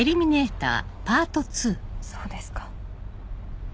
そうですか。